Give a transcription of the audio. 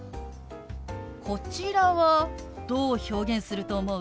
こちらはどう表現すると思う？